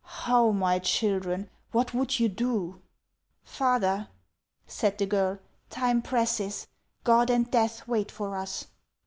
" How, my children ! What would you do ?"" Father," said the girl, " time presses. God and death wait for us."